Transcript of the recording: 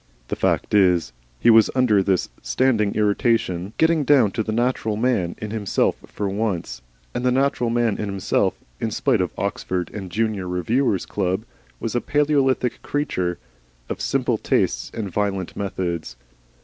The fact is, he was, under this standing irritation, getting down to the natural man in himself for once, and the natural man in himself, in spite of Oxford and the junior Reviewers' Club, was a Palaeolithic creature of simple tastes and violent methods.